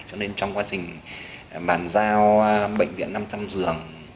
cho nên trong quá trình bàn giao bệnh viện năm trăm linh giường